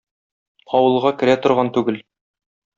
Авылга керә торган түгел.